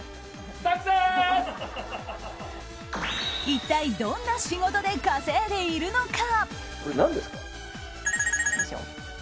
一体どんな仕事で稼いでいるのか？